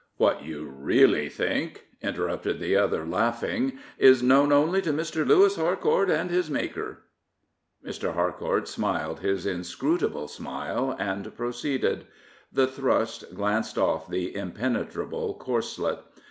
" What you teally think/' interrupted the other, laughing, " is known only to Mr. Lewis Harcourt and his Maker." Mr. Harcourt smiled his inscrutable smile and pro ceeded. The thrust glanced off the impenetrable corslet.